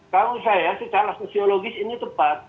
kalau saya secara sosiologis ini tepat